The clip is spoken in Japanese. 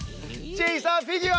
ジェイさんフィギュア！